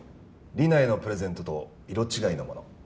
リナへのプレゼントと色違いのもの。